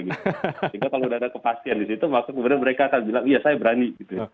jika kalau ada kepastian disitu maka kemudian mereka akan bilang iya saya berani